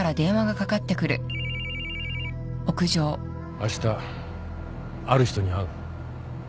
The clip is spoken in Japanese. あしたある人に会う。